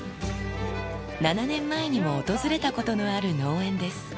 ７年前にも訪れたことのある農園です。